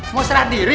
mau serah diri